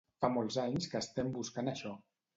Fa molts anys que estem buscant això.